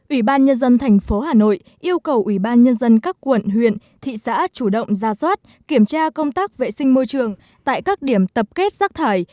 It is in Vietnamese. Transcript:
ủy ban nhân dân thành phố hà nội yêu cầu ủy ban nhân dân các quận huyện thị xã chủ động ra soát kiểm tra công tác vệ sinh môi trường tại các điểm tập kết rác thải